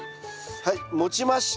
はい持ちました。